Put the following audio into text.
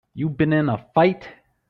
You been in a fight?